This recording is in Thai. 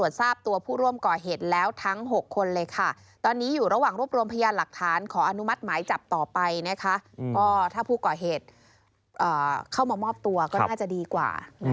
ก็ถ้าผู้ก่อเหตุเข้ามามอบตัวก็น่าจะดีกว่า